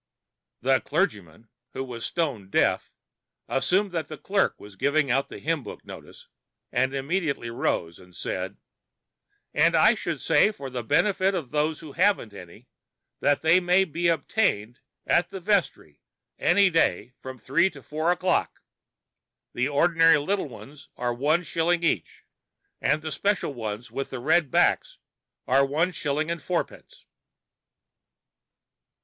The clergyman, who was stone deaf, assumed that the clerk was giving out the hymn book notice, and immediately rose and said: "And I should say, for the benefit of those who haven't any, that they may be obtained at the vestry any day from three to four o'clock; the ordinary little ones at one shilling each, and special [Pg 49]ones with red backs at one shilling and fourpence."